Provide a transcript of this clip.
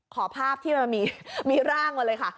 ขอภาพที่มันมีร่างมาเลยค่ะ